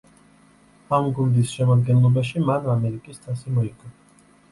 ამ გუნდის შემადგენლობაში მან ამერიკის თასი მოიგო.